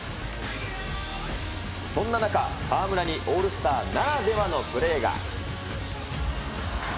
そんな中、河村にオールスターならではのプレーが。